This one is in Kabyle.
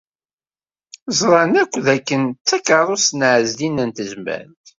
Ẓran akk d akken d takeṛṛust n Ɛezdin n Tezmalt.